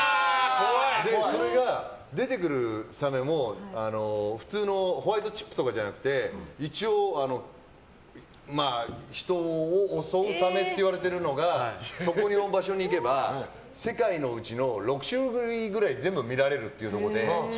それが、出てくるサメも普通のホワイトチップとかじゃなくて一応、人を襲うサメといわれているのがそこの場所に行けば世界のうちの６種類ぐらい全部見られるっていうとこで。